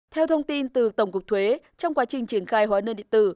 theo thông tin từ tổng cục thuế trong quá trình triển khai hóa đơn điện tử